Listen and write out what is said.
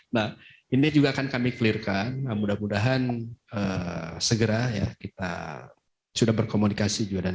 nah ini juga akan kami clear kan mudah mudahan segera ya kita sudah berkomunikasi juga